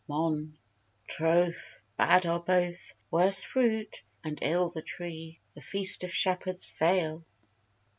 MON. Troth, bad are both; worse fruit, and ill the tree: The feast of shepherds fail.